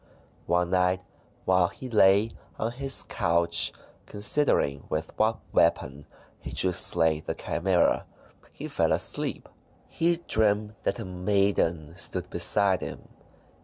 One night while he lay on his couch, consider ing with what weapon he should slay the Chi msera, he fell asleep. He dreamed that a maiden stood beside him.